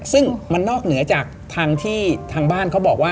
ซึ่งมันนอกเหนือจากทางที่ทางบ้านเขาบอกว่า